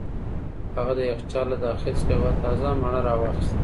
هغه د یخچال له داخل څخه یوه تازه مڼه را واخیسته.